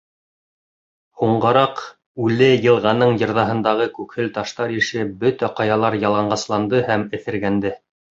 Һуңғараҡ үле йылғаның йырҙаһындағы күкһел таштар ише бөтә ҡаялар яланғасланды һәм эҫергәнде.